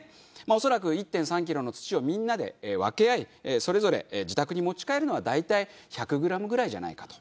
恐らく１．３キロの土をみんなで分け合いそれぞれ自宅に持ち帰るのは大体１００グラムぐらいじゃないかと。